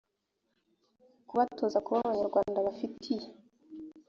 kubatoza kuba abanyarwanda bafitiye